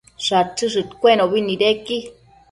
Shachëshëdcuenobi nidequi